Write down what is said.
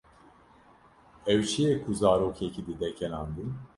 Ew çi ye ku zarokekî dide kenandin?